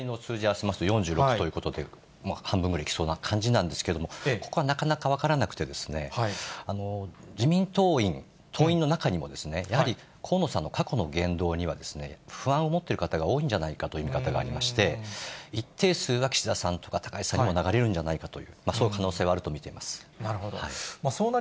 お２人の数字を合わせますと４６ということで、半分ぐらいいきそうな感じなんですけれども、ここはなかなか分からなくて、自民党員、党員の中にもやはり河野さんの過去の言動には不安を持ってる方が多いんじゃないかという見方がありまして、一定数は岸田さんとか、高市さんにも流れるんじゃないかという、その可能性はあると見てなるほど。